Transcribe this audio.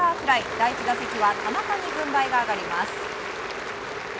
第１打席は田中に軍配が上がります。